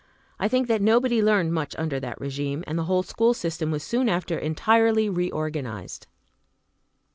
I think that nobody learned much under that regime, and the whole school system was soon after entirely reorganized.